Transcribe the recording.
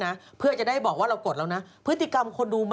๑๒๘กองเธอจะได้เงินรายเดือนด้วยนะ